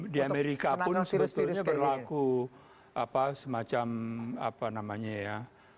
di amerika pun sebetulnya berlaku semacam apa namanya ya